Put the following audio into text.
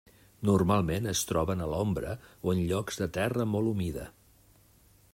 Normalment es troben a l'ombra o en llocs de terra molt humida.